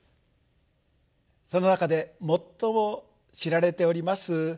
その中で最も知られております